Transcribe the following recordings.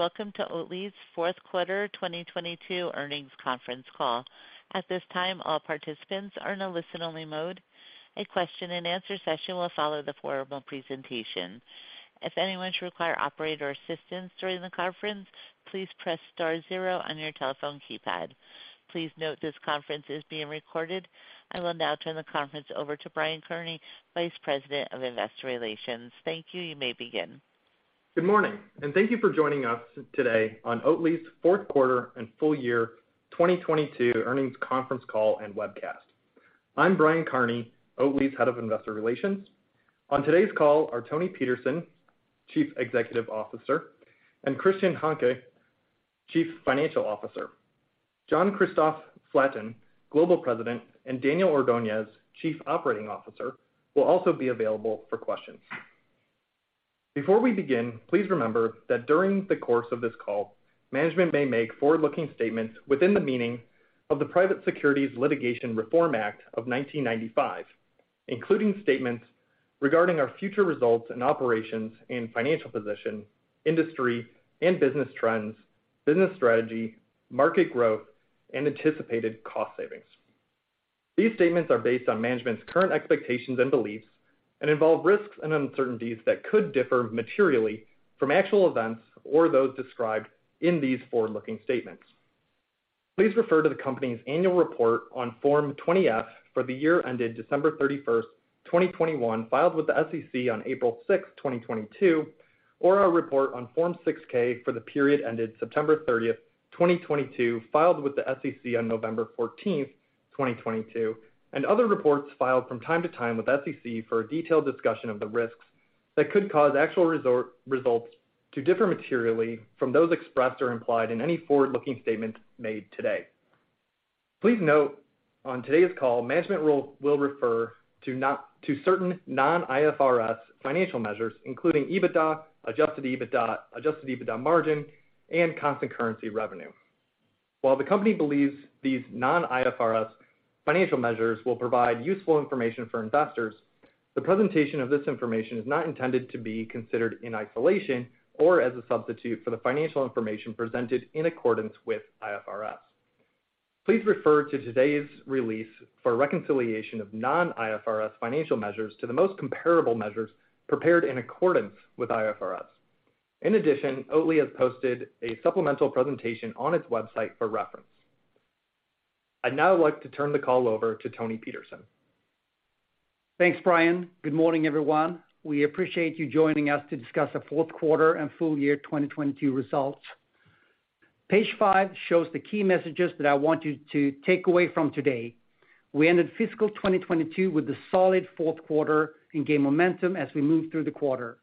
Welcome to Oatly's fourth quarter 2022 earnings conference call. At this time, all participants are in a listen-only mode. A question and answer session will follow the formal presentation. If anyone should require operator assistance during the conference, please press star zero on your telephone keypad. Please note this conference is being recorded. I will now turn the conference over to Brian Kearney, Vice President of Investor Relations. Thank you. You may begin. Good morning, and thank you for joining us today on Oatly's fourth quarter and full year 2022 earnings conference call and webcast. I'm Brian Kearney, Oatly's Head of Investor Relations. On today's call are Toni Petersson, Chief Executive Officer, and Christian Hanke, Chief Financial Officer. Jean-Christophe Flatin, Global President, and Daniel Ordonez, Chief Operating Officer, will also be available for questions. Before we begin, please remember that during the course of this call, management may make forward-looking statements within the meaning of the Private Securities Litigation Reform Act of 1995, including statements regarding our future results and operations and financial position, industry and business trends, business strategy, market growth, and anticipated cost savings. These statements are based on management's current expectations and beliefs and involve risks and uncertainties that could differ materially from actual events or those described in these forward-looking statements. Please refer to the company's annual report on Form 20-F for the year ended December 31st, 2021, filed with the SEC on April 6th, 2022, or our report on Form 6-K for the period ended September 30th, 2022, filed with the SEC on November 14th, 2022, and other reports filed from time to time with SEC for a detailed discussion of the risks that could cause actual results to differ materially from those expressed or implied in any forward-looking statements made today. Please note on today's call, management will refer to certain non-IFRS financial measures, including EBITDA, adjusted EBITDA, adjusted EBITDA margin, and constant currency revenue. While the company believes these non-IFRS financial measures will provide useful information for investors, the presentation of this information is not intended to be considered in isolation or as a substitute for the financial information presented in accordance with IFRS. Please refer to today's release for a reconciliation of non-IFRS financial measures to the most comparable measures prepared in accordance with IFRS. In addition, Oatly has posted a supplemental presentation on its website for reference. I'd now like to turn the call over to Toni Petersson. Thanks, Brian. Good morning, everyone. We appreciate you joining us to discuss the fourth quarter and full year 2022 results. Page five shows the key messages that I want you to take away from today. We ended fiscal 2022 with a solid fourth quarter and gained momentum as we moved through the quarter.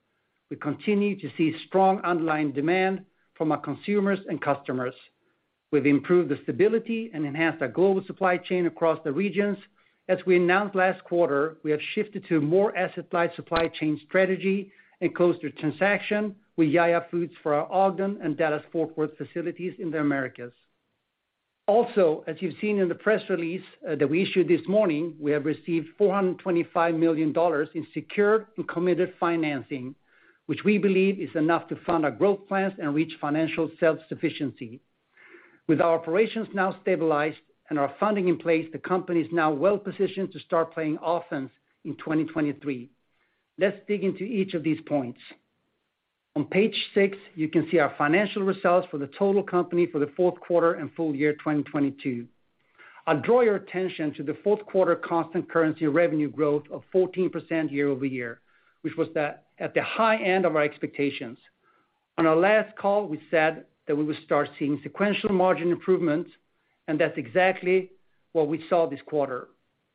We continue to see strong underlying demand from our consumers and customers. We've improved the stability and enhanced our global supply chain across the regions. As we announced last quarter, we have shifted to a more asset-light supply chain strategy and closed a transaction with Ya YA Foods for our Ogden and Dallas-Fort Worth facilities in the Americas. As you've seen in the press release, that we issued this morning, we have received $425 million in secured and committed financing, which we believe is enough to fund our growth plans and reach financial self-sufficiency. With our operations now stabilized and our funding in place, the company is now well-positioned to start playing offense in 2023. Let's dig into each of these points. On page six, you can see our financial results for the total company for the fourth quarter and full year 2022. I'll draw your attention to the fourth quarter constant currency revenue growth of 14% year-over-year, which was at the high end of our expectations. On our last call, we said that we would start seeing sequential margin improvements, and that's exactly what we saw this quarter.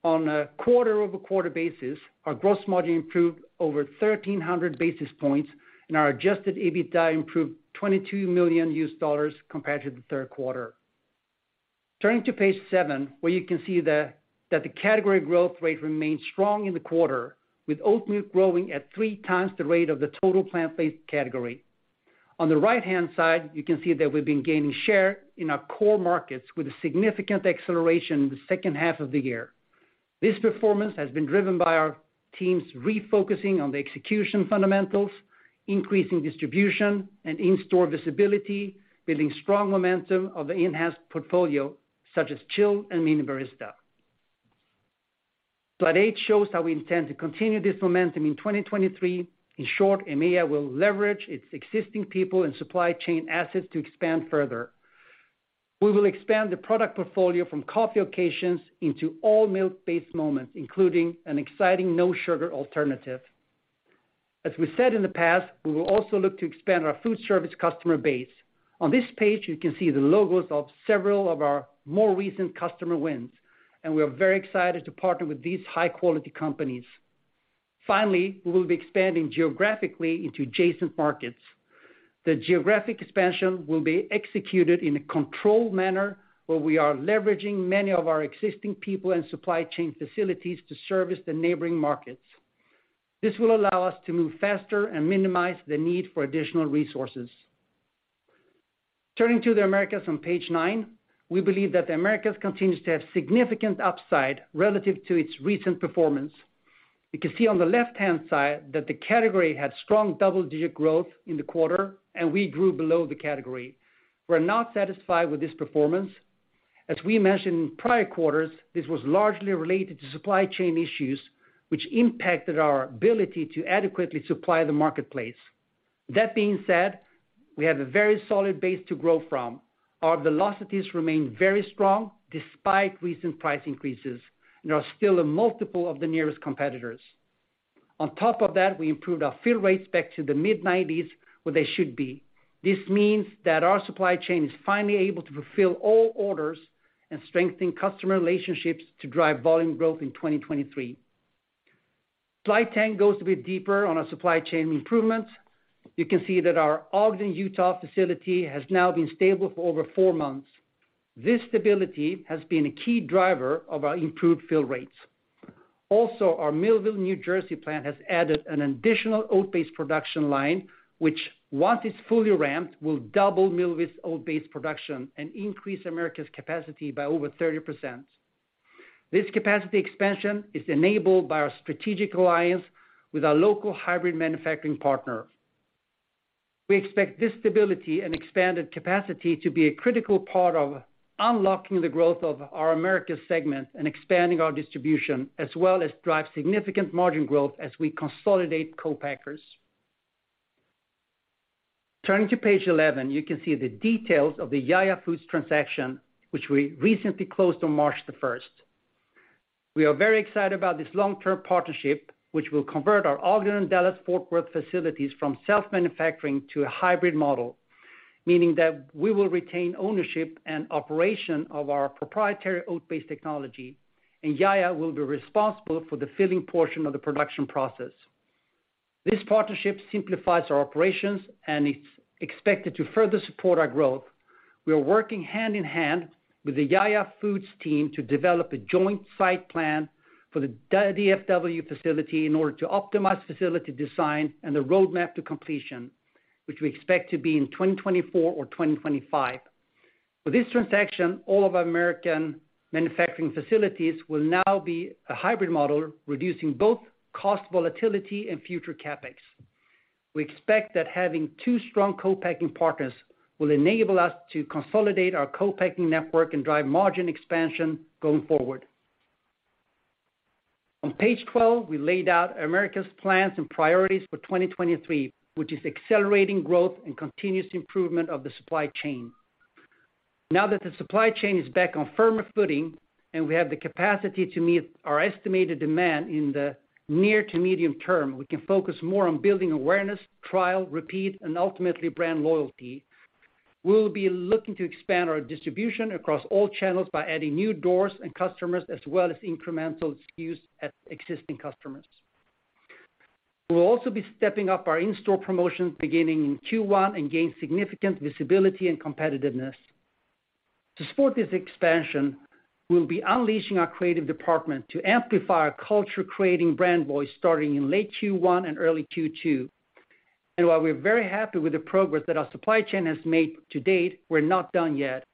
On a quarter-over-quarter basis, our gross margin improved over 1,300 basis points and our adjusted EBITDA improved $22 million compared to the third quarter. Turning to page seven, where you can see that the category growth rate remained strong in the quarter, with oat milk growing at three times the rate of the total plant-based category. On the right-hand side, you can see that we've been gaining share in our core markets with a significant acceleration in the second half of the year. This performance has been driven by our teams refocusing on the execution fundamentals, increasing distribution and in-store visibility, building strong momentum of the enhanced portfolio, such as Chill and Mini Barista. Slide eight shows how we intend to continue this momentum in 2023. In short, EMEA will leverage its existing people and supply chain assets to expand further. We will expand the product portfolio from coffee occasions into all milk-based moments, including an exciting no-sugar alternative. As we said in the past, we will also look to expand our food service customer base. On this page, you can see the logos of several of our more recent customer wins. We are very excited to partner with these high-quality companies. Finally, we will be expanding geographically into adjacent markets. The geographic expansion will be executed in a controlled manner, where we are leveraging many of our existing people and supply chain facilities to service the neighboring markets. This will allow us to move faster and minimize the need for additional resources. Turning to the Americas on page nine, we believe that the Americas continues to have significant upside relative to its recent performance. You can see on the left-hand side that the category had strong double-digit growth in the quarter, and we grew below the category. We're not satisfied with this performance. As we mentioned in prior quarters, this was largely related to supply chain issues, which impacted our ability to adequately supply the marketplace. That being said, we have a very solid base to grow from. Our velocities remain very strong despite recent price increases, and are still a multiple of the nearest competitors. On top of that, we improved our fill rates back to the mid-nineties, where they should be. This means that our supply chain is finally able to fulfill all orders and strengthen customer relationships to drive volume growth in 2023. Slide 10 goes a bit deeper on our supply chain improvements. You can see that our Ogden, Utah facility has now been stable for over four months. This stability has been a key driver of our improved fill rates. Also, our Millville, New Jersey plant has added an additional oat-based production line, which once it's fully ramped, will double Millville's oat-based production and increase America's capacity by over 30%. This capacity expansion is enabled by our strategic alliance with our local hybrid manufacturing partner. We expect this stability and expanded capacity to be a critical part of unlocking the growth of our Americas segment and expanding our distribution, as well as drive significant margin growth as we consolidate co-packers. Turning to page 11, you can see the details of the Ya YA Foods transaction, which we recently closed on March the 1st. We are very excited about this long-term partnership, which will convert our Ogden and Dallas-Fort Worth facilities from self-manufacturing to a hybrid model, meaning that we will retain ownership and operation of our proprietary oat-based technology, and Ya YA will be responsible for the filling portion of the production process. This partnership simplifies our operations and it's expected to further support our growth. We are working hand in hand with the Ya YA Foods team to develop a joint site plan for the DFW facility in order to optimize facility design and the roadmap to completion, which we expect to be in 2024 or 2025. With this transaction, all of our American manufacturing facilities will now be a hybrid model, reducing both cost volatility and future CapEx. We expect that having two strong co-packing partners will enable us to consolidate our co-packing network and drive margin expansion going forward. On page 12, we laid out Americas plans and priorities for 2023, which is accelerating growth and continuous improvement of the supply chain. Now that the supply chain is back on firmer footing, we have the capacity to meet our estimated demand in the near to medium-term, we can focus more on building awareness, trial, repeat, and ultimately brand loyalty. We'll be looking to expand our distribution across all channels by adding new doors and customers as well as incremental SKUs at existing customers. We'll also be stepping up our in-store promotions beginning in Q1 and gain significant visibility and competitiveness. To support this expansion, we'll be unleashing our creative department to amplify our culture-creating brand voice starting in late Q1 and early Q2. While we're very happy with the progress that our supply chain has made to date, we're not done yet.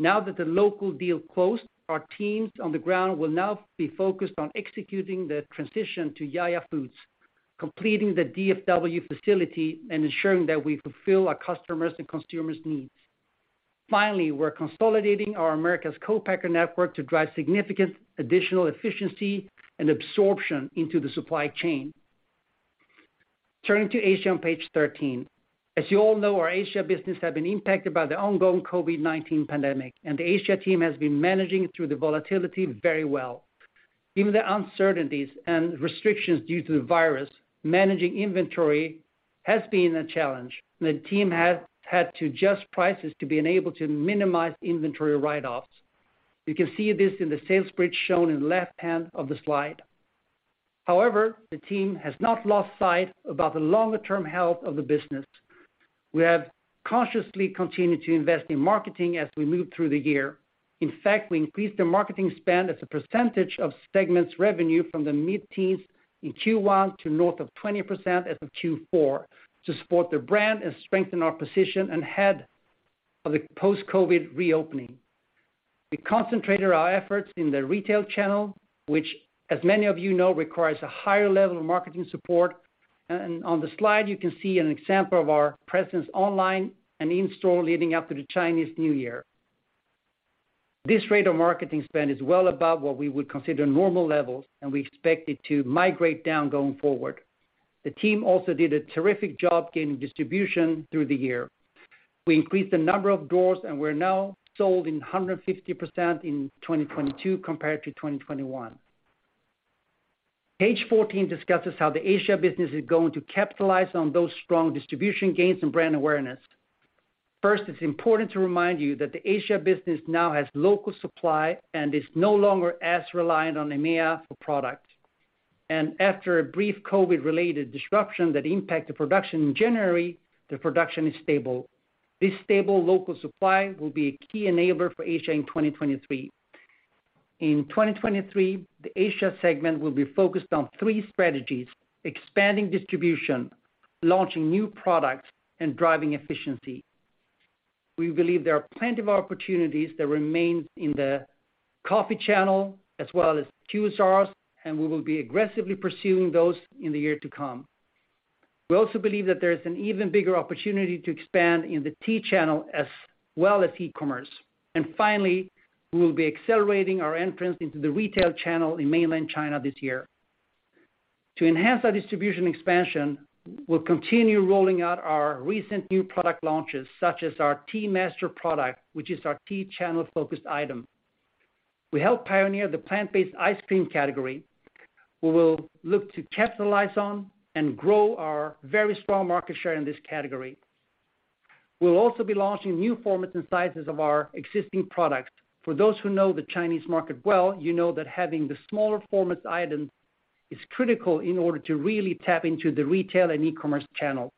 Now that the local deal closed, our teams on the ground will now be focused on executing the transition to Ya YA Foods, completing the DFW facility, and ensuring that we fulfill our customers and consumers' needs. Finally, we're consolidating our Americas co-packer network to drive significant additional efficiency and absorption into the supply chain. Turning to Asia on page 13. As you all know, our Asia business has been impacted by the ongoing COVID-19 pandemic. The Asia team has been managing through the volatility very well. Given the uncertainties and restrictions due to the virus, managing inventory has been a challenge. The team has had to adjust prices to being able to minimize inventory write-offs. You can see this in the sales bridge shown in the left hand of the slide. However, the team has not lost sight about the longer-term health of the business. We have consciously continued to invest in marketing as we move through the year. In fact, we increased the marketing spend as a percentage of segment's revenue from the mid-teens in Q1 to north of 20% as of Q4 to support the brand and strengthen our position ahead of the post-COVID-19 reopening. We concentrated our efforts in the retail channel, which as many of you know, requires a higher level of marketing support. On the slide, you can see an example of our presence online and in-store leading up to the Chinese New Year. This rate of marketing spend is well above what we would consider normal levels, and we expect it to migrate down going forward. The team also did a terrific job gaining distribution through the year. We increased the number of doors, we're now sold in 150% in 2022 compared to 2021. Page 14 discusses how the Asia business is going to capitalize on those strong distribution gains and brand awareness. First, it's important to remind you that the Asia business now has local supply and is no longer as reliant on EMEA for product. After a brief COVID-related disruption that impacted production in January, the production is stable. This stable local supply will be a key enabler for Asia in 2023. In 2023, the Asia segment will be focused on three strategies, expanding distribution, launching new products, and driving efficiency. We believe there are plenty of opportunities that remain in the coffee channel as well as QSRs, and we will be aggressively pursuing those in the year to come. We also believe that there's an even bigger opportunity to expand in the tea channel as well as e-commerce. Finally, we will be accelerating our entrance into the retail channel in mainland China this year. To enhance our distribution expansion, we'll continue rolling out our recent new product launches, such as our Tea Master product, which is our tea channel focused item. We helped pioneer the plant-based ice cream category. We will look to capitalize on and grow our very strong market share in this category. We'll also be launching new formats and sizes of our existing products. For those who know the Chinese market well, you know that having the smaller formats item is critical in order to really tap into the retail and e-commerce channels.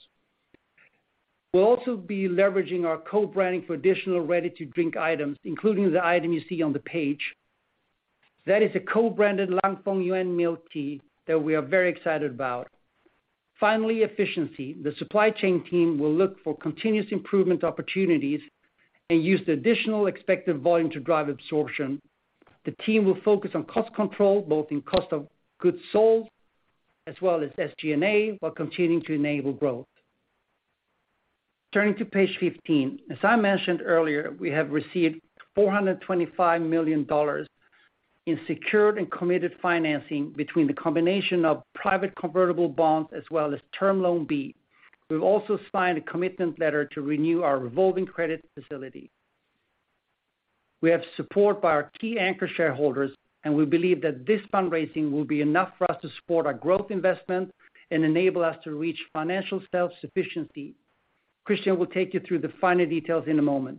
We'll also be leveraging our co-branding for additional ready-to-drink items, including the item you see on the page. That is a co-branded Lan Fong Yuen milk tea that we are very excited about. Finally, efficiency. The supply chain team will look for continuous improvement opportunities and use the additional expected volume to drive absorption. The team will focus on cost control, both in cost of goods sold as well as SG&A, while continuing to enable growth. Turning to page 15, as I mentioned earlier, we have received $425 million in secured and committed financing between the combination of private convertible bonds as well as Term Loan B. We've also signed a commitment letter to renew our revolving credit facility. We have support by our key anchor shareholders. We believe that this fundraising will be enough for us to support our growth investment and enable us to reach financial self-sufficiency. Christian will take you through the finer details in a moment.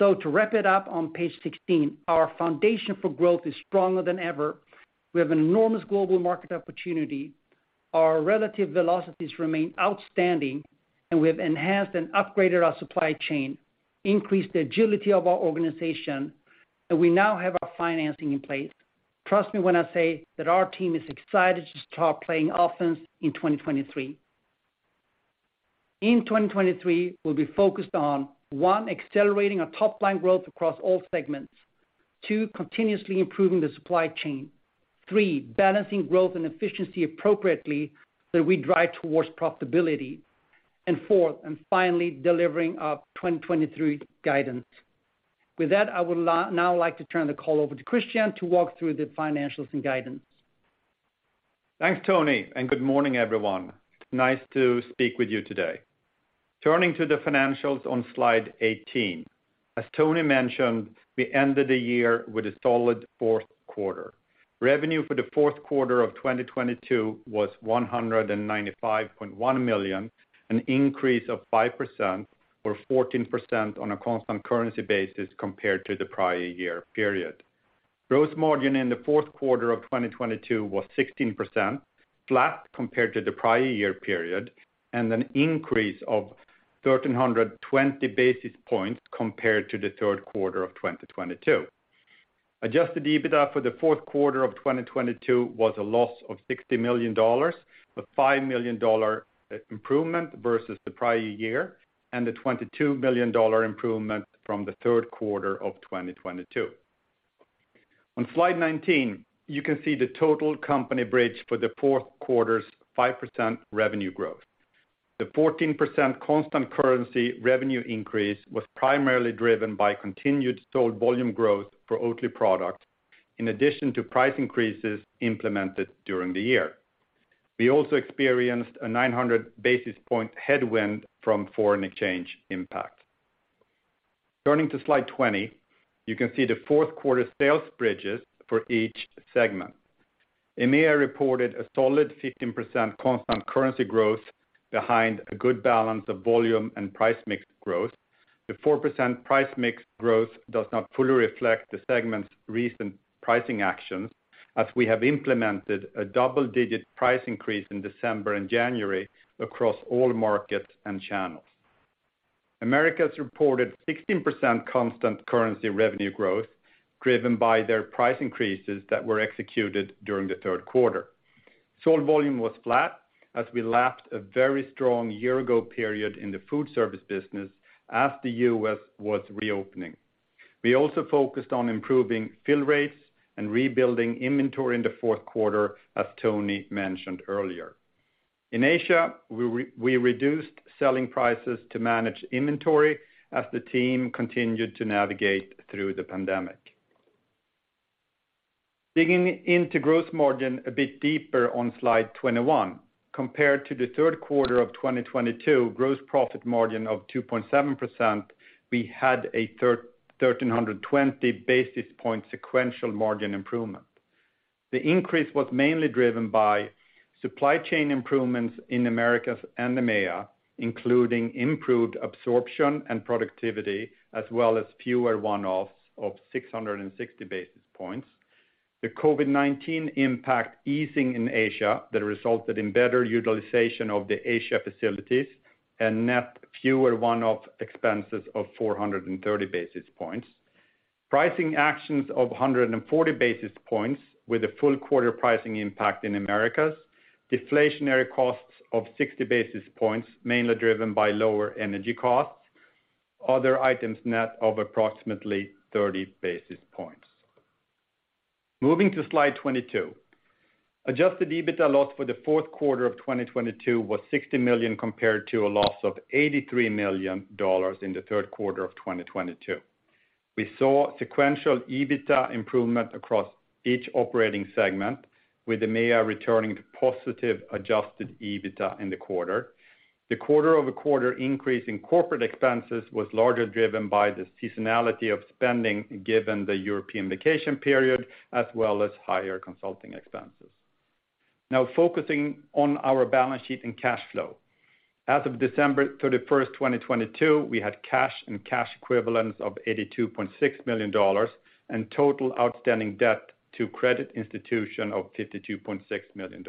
To wrap it up on page 16, our foundation for growth is stronger than ever. We have an enormous global market opportunity. Our relative velocities remain outstanding, and we have enhanced and upgraded our supply chain, increased the agility of our organization, and we now have our financing in place. Trust me when I say that our team is excited to start playing offense in 2023. In 2023, we'll be focused on, one, accelerating our top line growth across all segments. Two, continuously improving the supply chain. Three, balancing growth and efficiency appropriately that we drive towards profitability. Fourth and finally, delivering our 2023 guidance. With that, I would now like to turn the call over to Christian to walk through the financials and guidance. Thanks, Toni. Good morning, everyone. Nice to speak with you today. Turning to the financials on slide 18. As Toni mentioned, we ended the year with a solid fourth quarter. Revenue for the fourth quarter of 2022 was $195.1 million, an increase of 5% or 14% on a constant currency basis compared to the prior year period. Gross margin in the fourth quarter of 2022 was 16%, flat compared to the prior year period, and an increase of 1,320 basis points compared to the third quarter of 2022. Adjusted EBITDA for the fourth quarter of 2022 was a loss of $60 million, a $5 million improvement versus the prior year, and a $22 million improvement from the third quarter of 2022. On slide 19, you can see the total company bridge for the fourth quarter's 5% revenue growth. The 14% constant currency revenue increase was primarily driven by continued sold volume growth for Oatly product, in addition to price increases implemented during the year. We also experienced a 900 basis point headwind from foreign exchange impact. Turning to slide 20, you can see the fourth quarter sales bridges for each segment. EMEA reported a solid 15% constant currency growth behind a good balance of volume and price mix growth. The 4% price mix growth does not fully reflect the segment's recent pricing actions, as we have implemented a double-digit price increase in December and January across all markets and channels. Americas reported 16% constant currency revenue growth driven by their price increases that were executed during the third quarter. Sold volume was flat as we lapped a very strong year ago period in the food service business as the U.S. was reopening. We also focused on improving fill rates and rebuilding inventory in the fourth quarter, as Toni mentioned earlier. In Asia, we reduced selling prices to manage inventory as the team continued to navigate through the pandemic. Digging into gross margin a bit deeper on slide 21. Compared to the third quarter of 2022 gross profit margin of 2.7%, we had 1,320 basis point sequential margin improvement. The increase was mainly driven by supply chain improvements in Americas and EMEA, including improved absorption and productivity as well as fewer one-offs of 660 basis points. The COVID-19 impact easing in Asia that resulted in better utilization of the Asia facilities and net fewer one-off expenses of 430 basis points. Pricing actions of 140 basis points with a full quarter pricing impact in Americas. Deflationary costs of 60 basis points, mainly driven by lower energy costs. Other items net of approximately 30 basis points. Moving to slide 22. Adjusted EBITDA loss for the fourth quarter of 2022 was $60 million compared to a loss of $83 million in the third quarter of 2022. We saw sequential EBITDA improvement across each operating segment, with EMEA returning to positive adjusted EBITDA in the quarter. The quarter-over-quarter increase in corporate expenses was largely driven by the seasonality of spending given the European vacation period, as well as higher consulting expenses. Now focusing on our balance sheet and cash flow. As of December 31st, 2022, we had cash and cash equivalents of $82.6 million and total outstanding debt to credit institution of $52.6 million.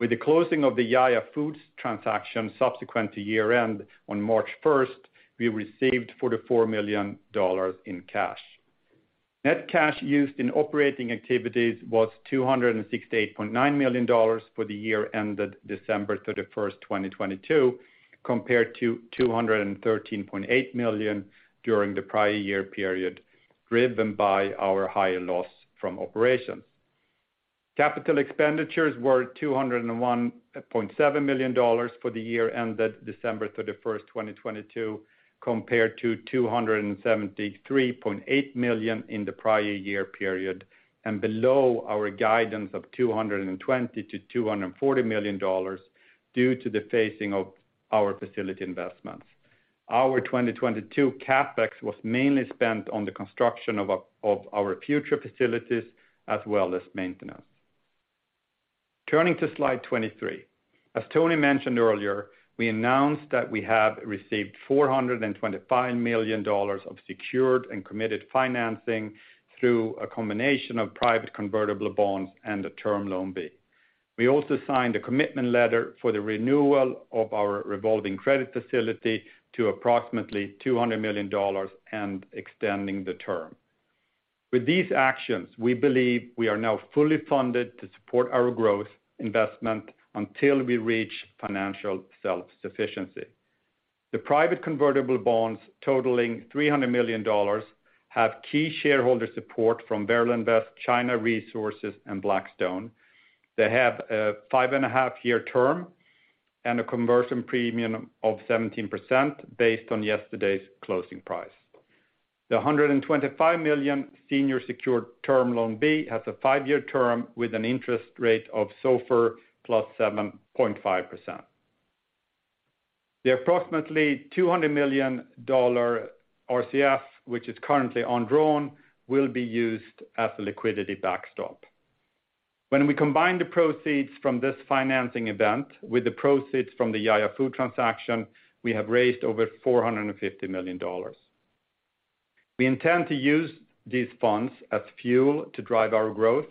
With the closing of the Ya YA Foods transaction subsequent to year-end on March 1st, we received $44 million in cash. Net cash used in operating activities was $268.9 million for the year ended December 31st, 2022, compared to $213.8 million during the prior year period, driven by our higher loss from operations. Capital expenditures were $201.7 million for the year ended December 31st, 2022, compared to $273.8 million in the prior year period, and below our guidance of $220 million-$240 million due to the phasing of our facility investments. Our 2022 CapEx was mainly spent on the construction of our future facilities as well as maintenance. Turning to slide 23. Toni mentioned earlier, we announced that we have received $425 million of secured and committed financing through a combination of private convertible bonds and the Term Loan B. We also signed a commitment letter for the renewal of our revolving credit facility to approximately $200 million and extending the term. With these actions, we believe we are now fully funded to support our growth investment until we reach financial self-sufficiency. The private convertible bonds totaling $300 million have key shareholder support from Verlinvest, China Resources, and Blackstone. They have a five and a half year term and a conversion premium of 17% based on yesterday's closing price. The $125 million senior secured Term Loan B has a five-year term with an interest rate of SOFR +7.5%. The approximately $200 million RCF, which is currently undrawn, will be used as a liquidity backstop. When we combine the proceeds from this financing event with the proceeds from the Ya YA Foods transaction, we have raised over $450 million. We intend to use these funds as fuel to drive our growth.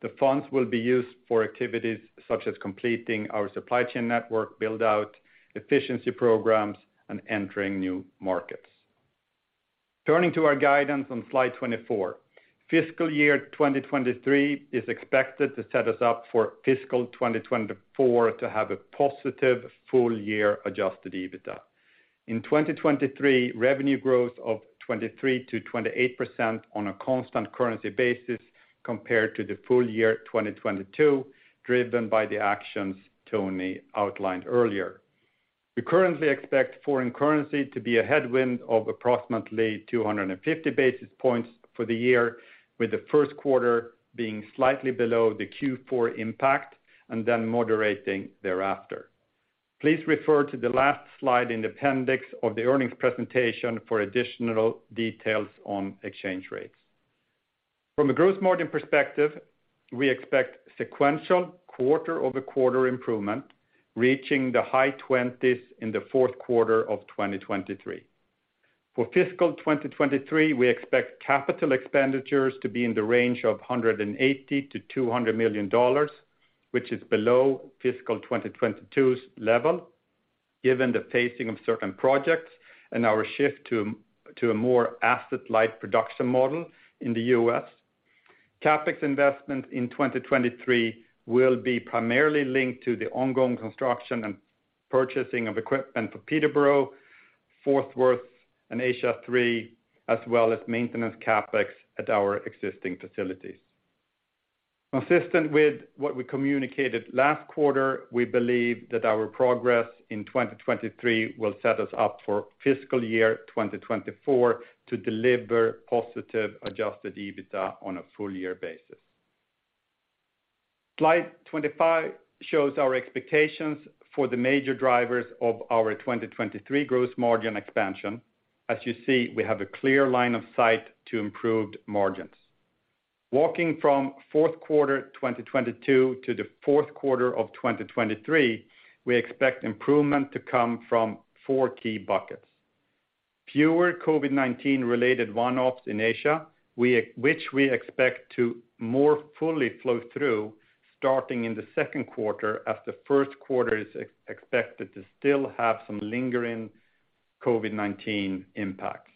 The funds will be used for activities such as completing our supply chain network build-out, efficiency programs, and entering new markets. Turning to our guidance on slide 24. Fiscal year 2023 is expected to set us up for fiscal 2024 to have a positive full year adjusted EBITDA. In 2023, revenue growth of 23%-28% on a constant currency basis compared to the full year 2022, driven by the actions Toni outlined earlier. We currently expect foreign currency to be a headwind of approximately 250 basis points for the year, with the first quarter being slightly below the Q4 impact and then moderating thereafter. Please refer to the last slide in the appendix of the earnings presentation for additional details on exchange rates. From a gross margin perspective, we expect sequential quarter-over-quarter improvement, reaching the high 20s in the fourth quarter of 2023. For fiscal 2023, we expect capital expenditures to be in the range of $180 million-$200 million, which is below fiscal 2022's level, given the pacing of certain projects and our shift to a more asset-light production model in the U.S. CapEx investment in 2023 will be primarily linked to the ongoing construction and purchasing of equipment for Peterborough, Fort Worth, and Asia III, as well as maintenance CapEx at our existing facilities. Consistent with what we communicated last quarter, we believe that our progress in 2023 will set us up for fiscal year 2024 to deliver positive adjusted EBITDA on a full year basis. Slide 25 shows our expectations for the major drivers of our 2023 gross margin expansion. You see, we have a clear line of sight to improved margins. Walking from Q4 2022 to Q4 2023, we expect improvement to come from four key buckets. Fewer COVID-19 related one-offs in Asia, which we expect to more fully flow through starting in Q2 as the Q1 is expected to still have some lingering COVID-19 impacts.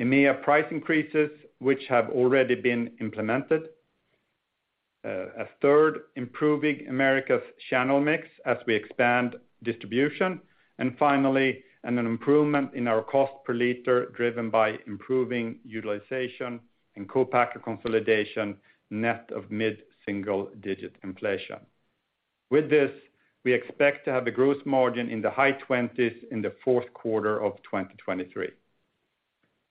EMEA price increases, which have already been implemented. a third, improving America's channel mix as we expand distribution. Finally, an improvement in our cost per liter driven by improving utilization and co-packer consolidation net of mid-single digit inflation. With this, we expect to have a gross margin in the high 20s in Q4 2023.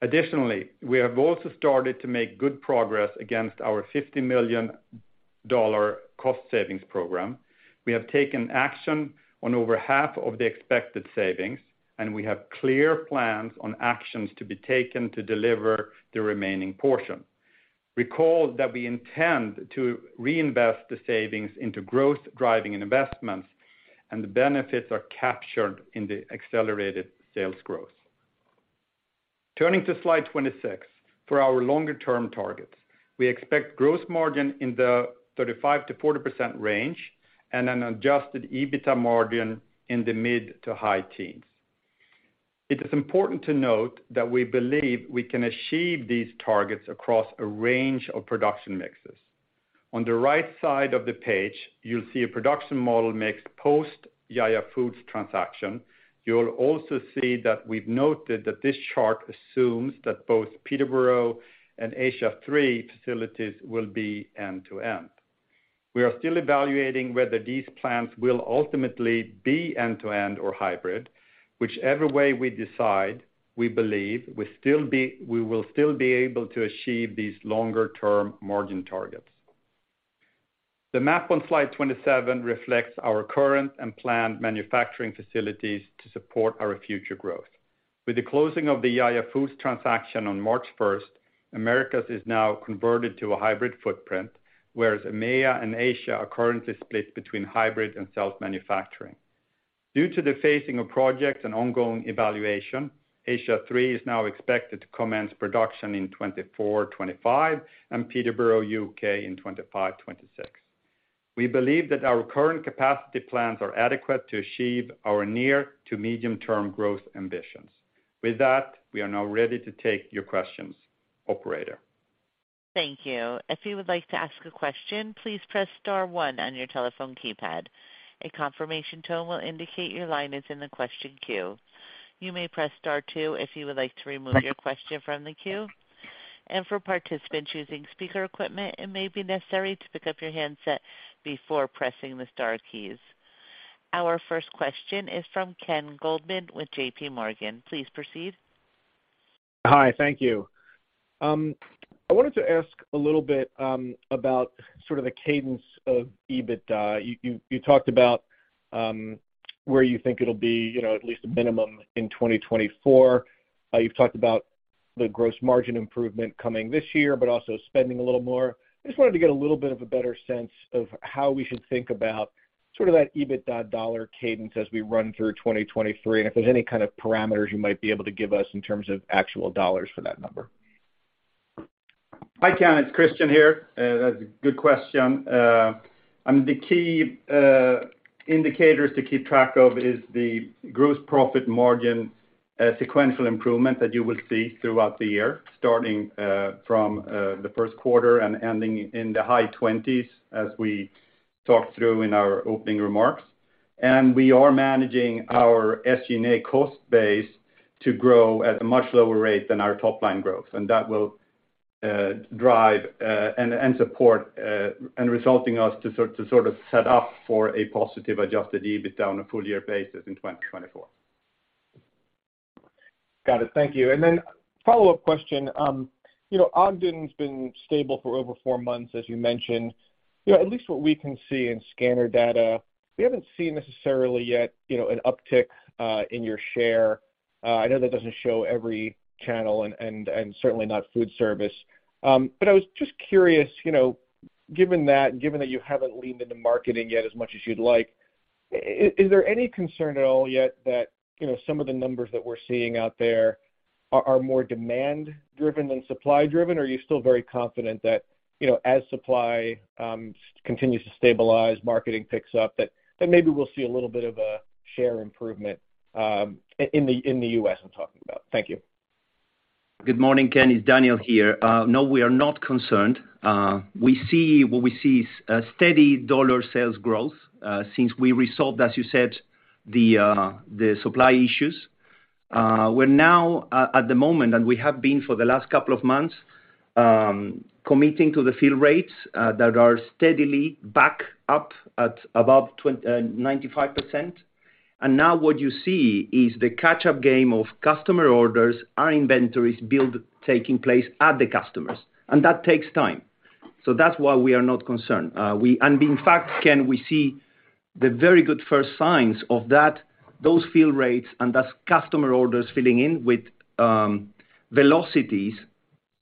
Additionally, we have also started to make good progress against our $50 million cost savings program. We have taken action on over half of the expected savings, and we have clear plans on actions to be taken to deliver the remaining portion. Recall that we intend to reinvest the savings into growth driving and investments, and the benefits are captured in the accelerated sales growth. Turning to slide 26, for our longer-term targets, we expect gross margin in the 35%-40% range and an adjusted EBITDA margin in the mid-to-high teens. It is important to note that we believe we can achieve these targets across a range of production mixes. On the right side of the page, you'll see a production model mix post Ya YA Foods transaction. You'll also see that we've noted that this chart assumes that both Peterborough and Asia III facilities will be end-to-end. We are still evaluating whether these plants will ultimately be end-to-end or hybrid. Whichever way we decide, we will still be able to achieve these longer-term margin targets. The map on slide 27 reflects our current and planned manufacturing facilities to support our future growth. With the closing of the Ya YA Foods transaction on March 1st, Americas is now converted to a hybrid footprint, whereas EMEA and Asia are currently split between hybrid and self-manufacturing. Due to the phasing of projects and ongoing evaluation, Asia III is now expected to commence production in 2024, 2025, and Peterborough, U.K., in 2025, 2026. We believe that our current capacity plans are adequate to achieve our near to medium-term growth ambitions. With that, we are now ready to take your questions. Operator. Thank you. If you would like to ask a question, please press star one on your telephone keypad. A confirmation tone will indicate your line is in the question queue. You may press star two if you would like to remove your question from the queue. For participants using speaker equipment, it may be necessary to pick up your handset before pressing the star keys. Our first question is from Ken Goldman with JPMorgan. Please proceed. Hi. Thank you. I wanted to ask a little bit about sort of the cadence of EBITDA. You talked about where you think it'll be, you know, at least a minimum in 2024. You've talked about the gross margin improvement coming this year, but also spending a little more. I just wanted to get a little bit of a better sense of how we should think about sort of that EBITDA dollar cadence as we run through 2023, and if there's any kind of parameters you might be able to give us in terms of actual dollars for that number. Hi, Ken, it's Christian here. That's a good question. The key indicators to keep track of is the gross profit margin, sequential improvement that you will see throughout the year, starting from the first quarter and ending in the high 20s, as we talked through in our opening remarks. We are managing our SG&A cost base to grow at a much lower rate than our top line growth, and that will drive and support and resulting us to sort of set up for a positive adjusted EBITDA on a full year basis in 2024. Got it. Thank you. Then follow-up question. You know, Oatly's been stable for over four months, as you mentioned. You know, at least what we can see in scanner data, we haven't seen necessarily yet, you know, an uptick in your share. I know that doesn't show every channel and certainly not food service. I was just curious, you know, given that, given that you haven't leaned into marketing yet as much as you'd like, is there any concern at all yet that, you know, some of the numbers that we're seeing out there are more demand-driven than supply-driven, or are you still very confident that, you know, as supply continues to stabilize, marketing picks up, that maybe we'll see a little bit of a share improvement in the U.S., I'm talking about? Thank you. Good morning, Ken. It's Daniel here. No, we are not concerned. What we see is a steady dollar sales growth since we resolved, as you said, the supply issues. We're now at the moment, and we have been for the last couple of months, committing to the fill rates that are steadily back up at above 95%. Now what you see is the catch-up game of customer orders and inventories taking place at the customers, and that takes time. That's why we are not concerned. In fact, Ken, we see the very good first signs of that, those fill rates and those customer orders filling in with velocities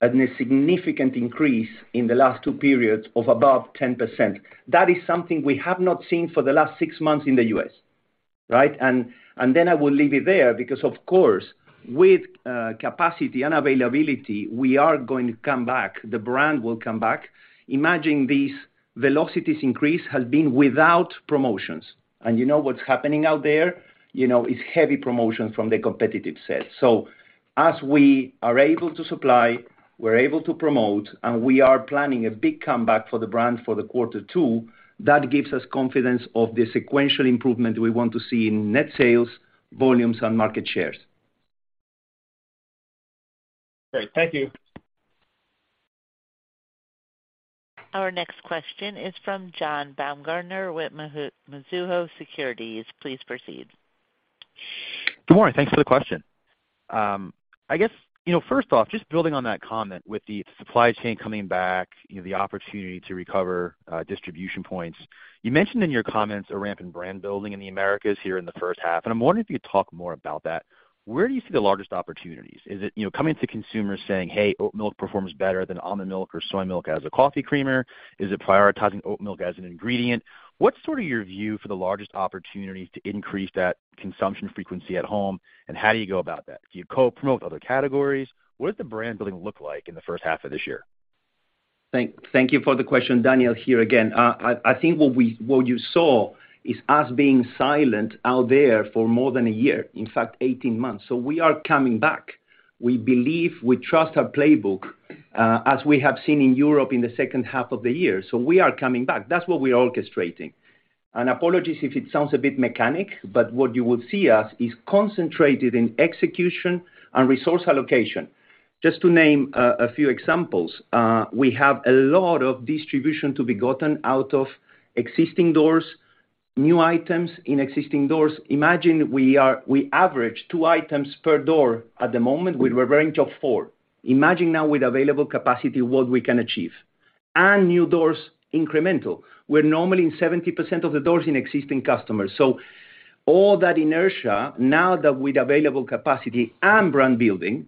and a significant increase in the last two periods of above 10%. That is something we have not seen for the last six months in the U.S., right? I will leave it there because of course, with capacity and availability, we are going to come back. The brand will come back. Imagine these velocities increase has been without promotions. You know what's happening out there? You know, it's heavy promotion from the competitive set. As we are able to supply, we're able to promote, and we are planning a big comeback for the brand for the quarter two. That gives us confidence of the sequential improvement we want to see in net sales, volumes and market shares. Great. Thank you. Our next question is from John Baumgartner with Mizuho Securities. Please proceed. Good morning. Thanks for the question. I guess, you know, first off, just building on that comment with the supply chain coming back, you know, the opportunity to recover distribution points. You mentioned in your comments a ramp in brand building in the Americas here in the first half, and I'm wondering if you could talk more about that. Where do you see the largest opportunities? Is it, you know, coming to consumers saying, "Hey, oat milk performs better than almond milk or soy milk as a coffee creamer"? Is it prioritizing oat milk as an ingredient? What's sort of your view for the largest opportunities to increase that consumption frequency at home, and how do you go about that? Do you co-promote with other categories? What does the brand building look like in the first half of this year? Thank you for the question. Daniel, here again. I think what you saw is us being silent out there for more than a year, in fact, 18 months. We are coming back. We believe, we trust our playbook, as we have seen in Europe in the second half of the year. We are coming back. That's what we are orchestrating. Apologies if it sounds a bit mechanic, but what you will see us is concentrated in execution and resource allocation. Just to name a few examples, we have a lot of distribution to be gotten out of existing doors, new items in existing doors. Imagine we average two items per door at the moment with reference of four. Imagine now with available capacity what we can achieve. New doors incremental, we're normally in 70% of the doors in existing customers. All that inertia now that with available capacity and brand building,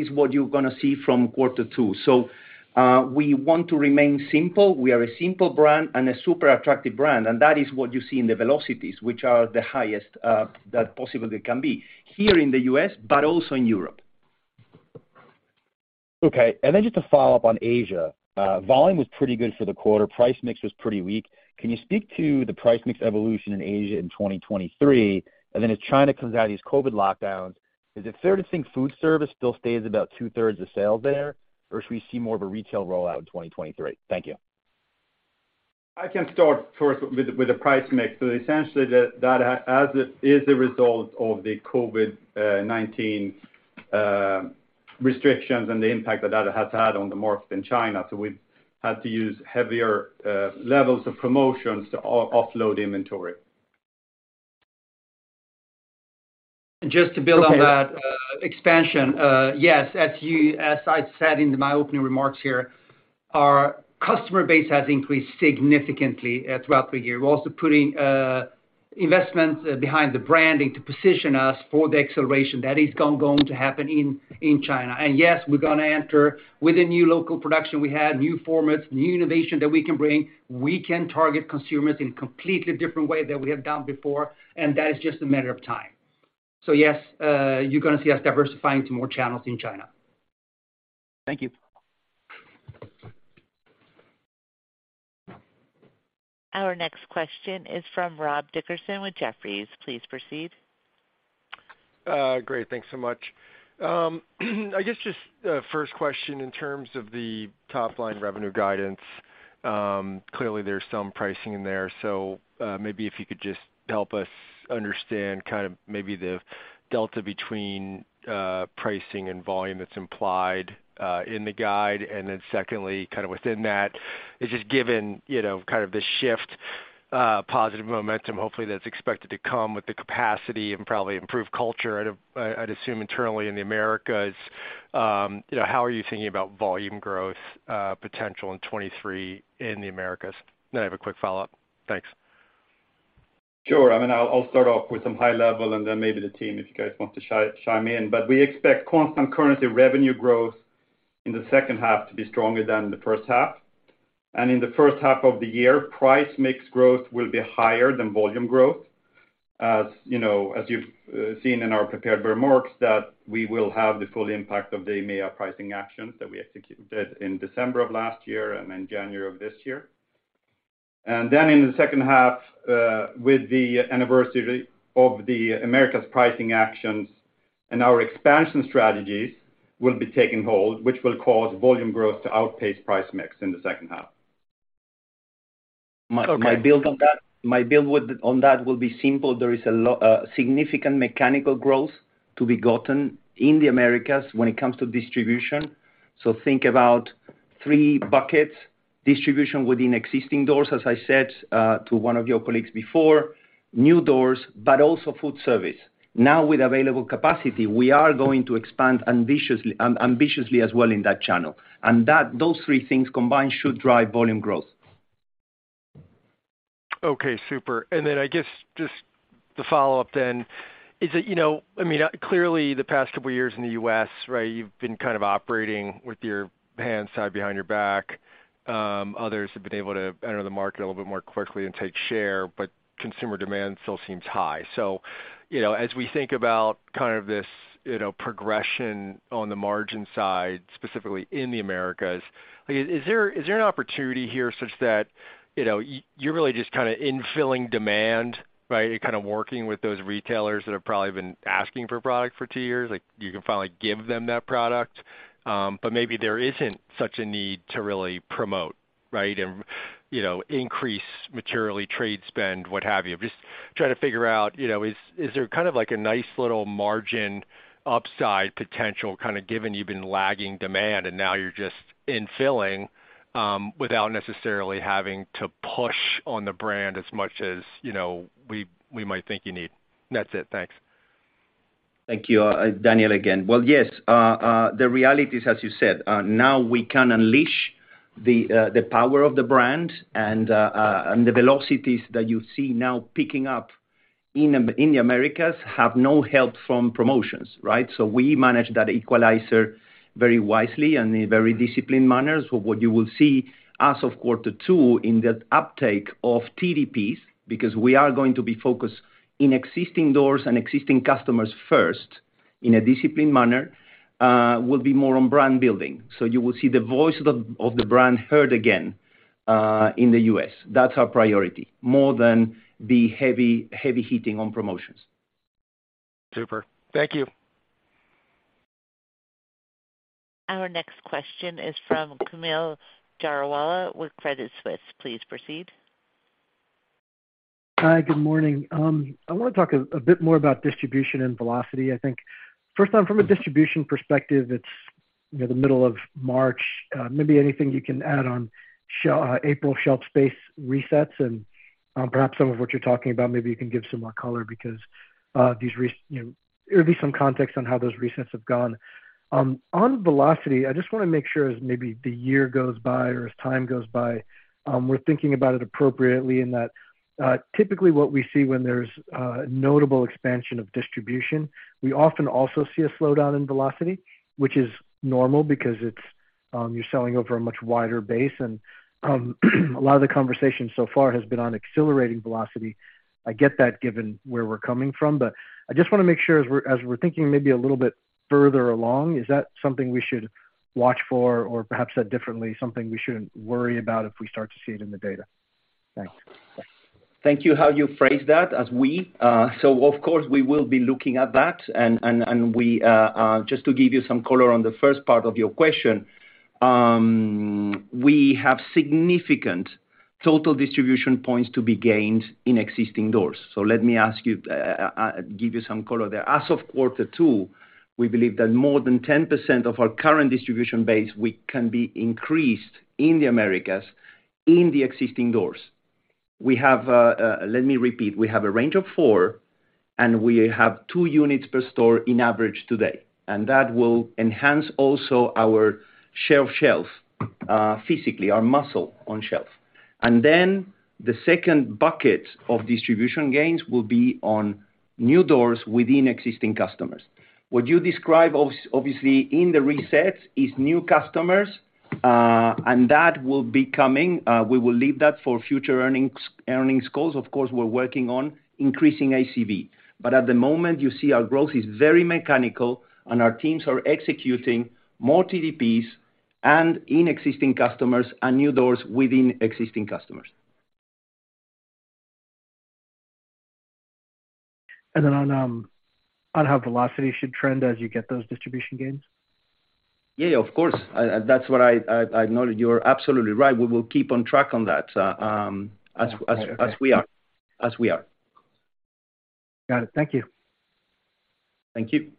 is what you're gonna see from Q2. We want to remain simple. We are a simple brand and a super attractive brand, and that is what you see in the velocities, which are the highest that possibly can be here in the U.S., but also in Europe. Okay. Just to follow-up on Asia. Volume was pretty good for the quarter. Price mix was pretty weak. Can you speak to the price mix evolution in Asia in 2023? As China comes out of these COVID lockdowns, is it fair to think food service still stays about 2/3 of sales there, or should we see more of a retail rollout in 2023? Thank you. I can start first with the price mix. Essentially, that as it is a result of the COVID-19 restrictions and the impact that that has had on the market in China. We've had to use heavier levels of promotions to offload inventory. Just to build on that, expansion, yes, as I said in my opening remarks here, our customer base has increased significantly, throughout the year. We're also putting investments behind the branding to position us for the acceleration that is going to happen in China. Yes, we're gonna enter with a new local production. We have new formats, new innovation that we can bring. We can target consumers in completely different way than we have done before, and that is just a matter of time. Yes, you're gonna see us diversifying to more channels in China. Thank you. Our next question is from Rob Dickerson with Jefferies. Please proceed. Great. Thanks so much. I guess just first question in terms of the top-line revenue guidance, clearly there's some pricing in there. Maybe if you could just help us understand kind of maybe the delta between pricing and volume that's implied in the guide. Secondly, kind of within that is just given, you know, kind of the shift, positive momentum, hopefully, that's expected to come with the capacity and probably improved culture, I'd assume internally in the Americas. You know, how are you thinking about volume growth potential in 23 in the Americas? I have a quick follow-up. Thanks. Sure. I mean, I'll start off with some high level and then maybe the team, if you guys want to chime in. We expect constant currency revenue growth in the second half to be stronger than the first half. In the first half of the year, price mix growth will be higher than volume growth. As you know, as you've seen in our prepared remarks that we will have the full impact of the EMEA pricing actions that we executed in December of last year and in January of this year. In the second half, with the anniversary of the America's pricing actions and our expansion strategies will be taking hold, which will cause volume growth to outpace price mix in the second half. Okay. My build on that, my build on that will be simple. There is a significant mechanical growth to be gotten in the Americas when it comes to distribution. Think about three buckets, distribution within existing doors, as I said, to one of your colleagues before, new doors, but also food service. With available capacity, we are going to expand ambitiously as well in that channel. Those three things combined should drive volume growth. Okay, super. I guess just the follow-up then is that, you know, I mean, clearly the past couple of years in the U.S., right, you've been kind of operating with your hands tied behind your back. Others have been able to enter the market a little bit more quickly and take share, but consumer demand still seems high. As we think about kind of this, you know, progression on the margin side, specifically in the Americas, is there an opportunity here such that, you know, you're really just kind of infilling demand, right? You're kind of working with those retailers that have probably been asking for product for two years, like, you can finally give them that product. But maybe there isn't such a need to really promote, right? You know, increase materially trade spend, what have you. Just trying to figure out, you know, is there kind of like a nice little margin upside potential given you've been lagging demand and now you're just infilling, without necessarily having to push on the brand as much as, you know, we might think you need. That's it. Thanks. Thank you. Daniel again. Yes, the reality is, as you said, now we can unleash the power of the brand and the velocities that you see now picking up in the Americas have no help from promotions, right? We manage that equalizer very wisely and in very disciplined manners. What you will see as of quarter two in that uptake of TDPs, because we are going to be focused in existing doors and existing customers first in a disciplined manner, will be more on brand building. You will see the voice of the brand heard again in the U.S. That's our priority, more than the heavy hitting on promotions. Super. Thank you. Our next question is from Kaumil Gajrawala with Credit Suisse. Please proceed. Hi, good morning. I wanna talk a bit more about distribution and velocity. I think, first one, from a distribution perspective, it's, you know, the middle of March, maybe anything you can add on April shelf space resets and perhaps some of what you're talking about, maybe you can give some more color because these you know, or at least some context on how those resets have gone. On velocity, I just wanna make sure as maybe the year goes by or as time goes by, we're thinking about it appropriately in that typically what we see when there's notable expansion of distribution, we often also see a slowdown in velocity, which is normal because it's you're selling over a much wider base. A lot of the conversation so far has been on accelerating velocity. I get that given where we're coming from, I just wanna make sure as we're thinking maybe a little bit further along, is that something we should watch for or perhaps said differently, something we shouldn't worry about if we start to see it in the data? Thanks. Thank you how you phrased that. Of course we will be looking at that and we just to give you some color on the first part of your question, we have significant total distribution points to be gained in existing doors. Let me ask you, give you some color there. As of quarter two, we believe that more than 10% of our current distribution base can be increased in the Americas in the existing doors. We have, let me repeat, we have a range of four, we have two units per store in average today, that will enhance also our share of shelves, physically, our muscle on shelves. The second bucket of distribution gains will be on new doors within existing customers. What you describe obviously in the resets is new customers, and that will be coming. We will leave that for future earnings calls. Of course, we're working on increasing ACV. At the moment, you see our growth is very mechanical, and our teams are executing more TDPs and in existing customers and new doors within existing customers. On, on how velocity should trend as you get those distribution gains? Yeah, of course. That's what I acknowledge. You're absolutely right. We will keep on track on that, as we are. As we are. Got it. Thank you. Thank you.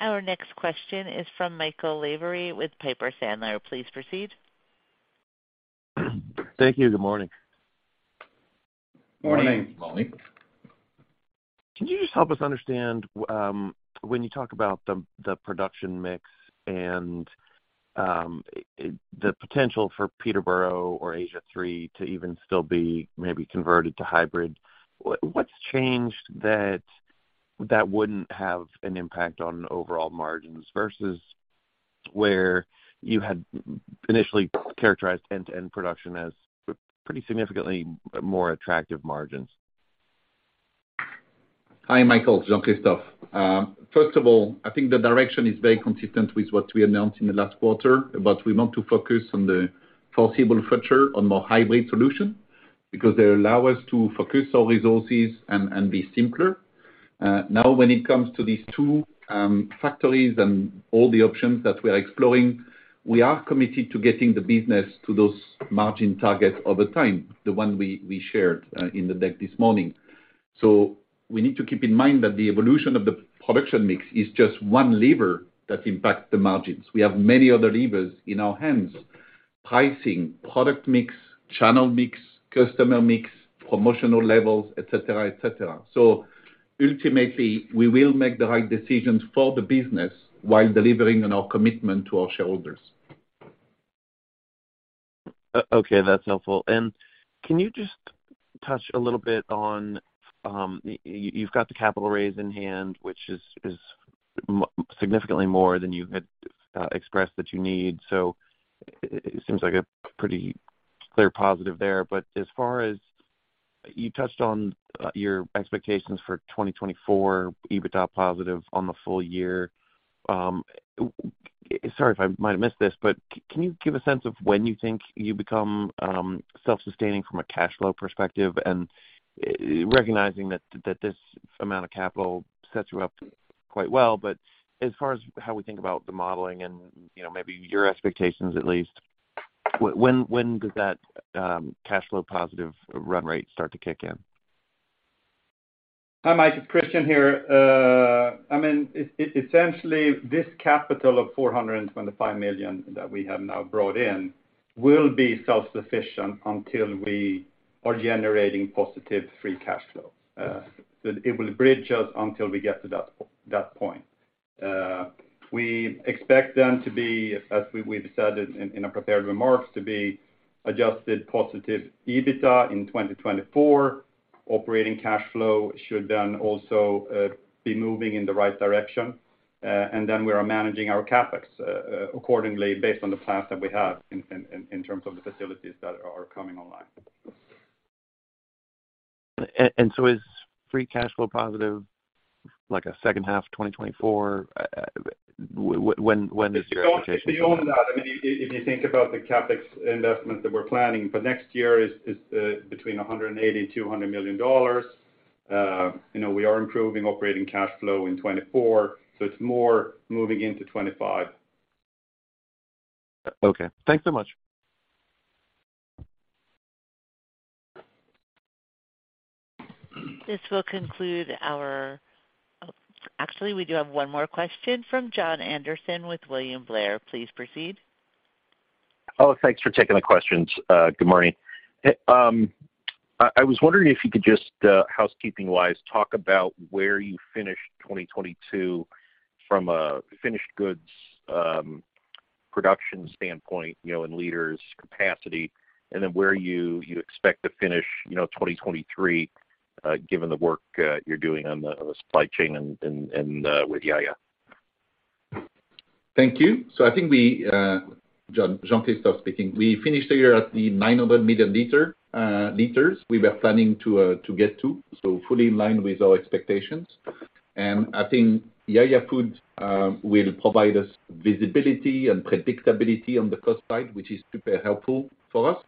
Our next question is from Michael Lavery with Piper Sandler. Please proceed. Thank you. Good morning. Morning. Morning. Can you just help us understand, when you talk about the production mix and, the potential for Peterborough or Asia III to even still be maybe converted to hybrid, what's changed that that wouldn't have an impact on overall margins versus where you had initially characterized end-to-end production as pretty significantly more attractive margins? Hi, Michael. Jean-Christophe. First of all, I think the direction is very consistent with what we announced in the last quarter, but we want to focus on the foreseeable future on more hybrid solution because they allow us to focus our resources and be simpler. Now when it comes to these two factories and all the options that we are exploring, we are committed to getting the business to those margin targets over time, the one we shared in the deck this morning. We need to keep in mind that the evolution of the production mix is just one lever that impact the margins. We have many other levers in our hands. Pricing, product mix, channel mix, customer mix, promotional levels, et cetera, et cetera. Ultimately, we will make the right decisions for the business while delivering on our commitment to our shareholders. Okay, that's helpful. Can you just touch a little bit on, you've got the capital raise in hand, which is significantly more than you had expressed that you need. It seems like a pretty clear positive there. As far as you touched on your expectations for 2024 EBITDA positive on the full year. Sorry if I might have missed this, but can you give a sense of when you think you become self-sustaining from a cash flow perspective? Recognizing that this amount of capital sets you up quite well. As far as how we think about the modeling and, you know, maybe your expectations at least, when does that cash flow positive run rate start to kick in? Hi, Mike, it's Christian here. I mean, essentially, this capital of $425 million that we have now brought in will be self-sufficient until we are generating positive free cash flow. It will bridge us until we get to that point. We expect them to be, as we've said in our prepared remarks, to be adjusted positive EBITDA in 2024. Operating cash flow should then also be moving in the right direction, we are managing our CapEx accordingly based on the plans that we have in terms of the facilities that are coming online. Is free cash flow positive, like a second half of 2024? When is your expectation for that? It's beyond that. I mean, if you think about the CapEx investment that we're planning for next year is between $180 million and $200 million. You know, we are improving operating cash flow in 2024, so it's more moving into 2025. Okay. Thanks so much. This will conclude our... Oh, actually, we do have one more question from Jon Andersen with William Blair. Please proceed. Thanks for taking the questions. Good morning. I was wondering if you could just housekeeping-wise, talk about where you finished 2022 from a finished goods production standpoint, you know, in liters capacity, and then where you expect to finish, you know, 2023, given the work you're doing on the supply chain and with Ya YA. Thank you. I think we, Jon, Jean-Christophe speaking. We finished the year at the 900 million liter liters we were planning to get to, so fully in line with our expectations. I think Ya YA Foods will provide us visibility and predictability on the cost side, which is super helpful for us.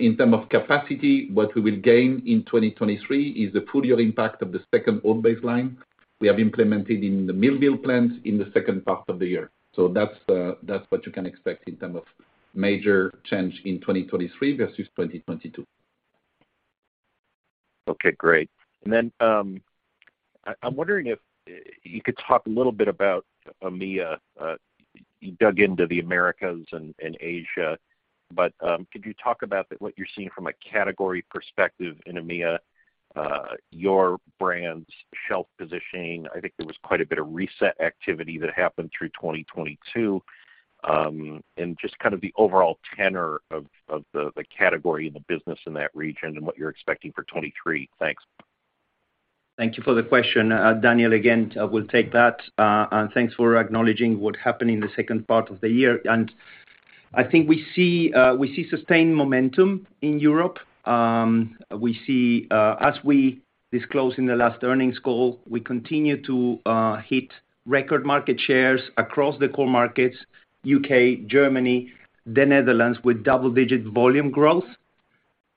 In term of capacity, what we will gain in 2023 is the full year impact of the second oat-based line we have implemented in the Millville plant in the second half of the year. That's, that's what you can expect in term of major change in 2023 versus 2022. Okay, great. Then, I'm wondering if you could talk a little bit about EMEA. You dug into the Americas and Asia, could you talk about what you're seeing from a category perspective in EMEA, your brand's shelf positioning? I think there was quite a bit of reset activity that happened through 2022, just kind of the overall tenor of the category and the business in that region and what you're expecting for 2023. Thanks. Thank you for the question. Daniel, again, will take that, and thanks for acknowledging what happened in the second part of the year. I think we see, we see sustained momentum in Europe. We see, as we disclosed in the last earnings call, we continue to hit record market shares across the core markets, U.K., Germany, the Netherlands, with double-digit volume growth,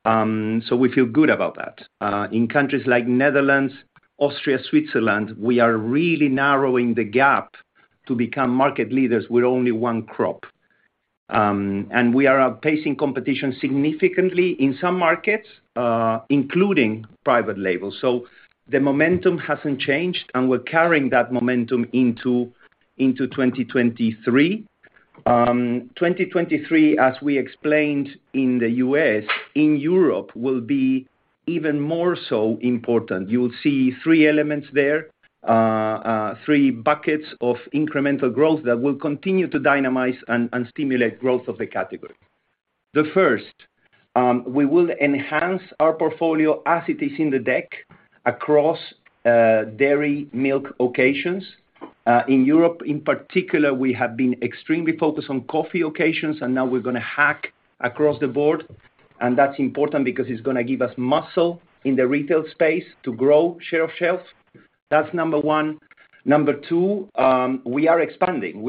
so we feel good about that. In countries like Netherlands, Austria, Switzerland, we are really narrowing the gap to become market leaders with only one crop. We are outpacing competition significantly in some markets, including private labels. The momentum hasn't changed, and we're carrying that momentum into 2023. 2023, as we explained in the U.S., in Europe, will be even more so important. You'll see three elements there, three buckets of incremental growth that will continue to dynamize and stimulate growth of the category. The first, we will enhance our portfolio as it is in the deck across dairy milk occasions. In Europe, in particular, we have been extremely focused on coffee occasions, and now we're gonna hack across the board, and that's important because it's gonna give us muscle in the retail space to grow share of shelf. That's number one. Number two, we are expanding.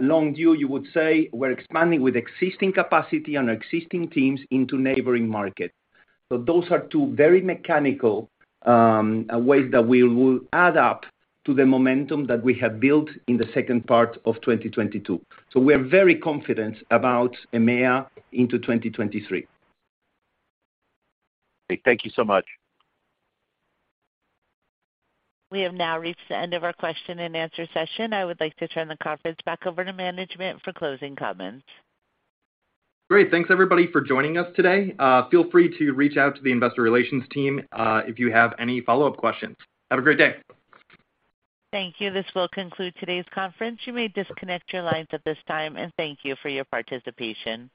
long view, you would say. We're expanding with existing capacity and existing teams into neighboring markets. Those are two very mechanical ways that we will add up to the momentum that we have built in the second part of 2022. We are very confident about EMEA into 2023. Okay, thank you so much. We have now reached the end of our question-and-answer session. I would like to turn the conference back over to management for closing comments. Great. Thanks, everybody, for joining us today. Feel free to reach out to the investor relations team, if you have any follow-up questions. Have a great day. Thank you. This will conclude today's conference. You may disconnect your lines at this time, and thank you for your participation.